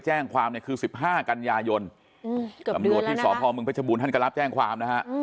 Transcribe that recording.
แจ้งความเนี่ยคือ๑๕กันยายนตำรวจที่สพเมืองเพชรบูรณท่านก็รับแจ้งความนะฮะ